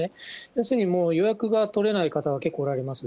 要するにもう予約が取れない方が結構おられます。